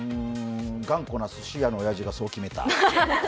頑固なすし屋のおやじがそう決めた？